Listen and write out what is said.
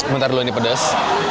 bentar dulu ini pedas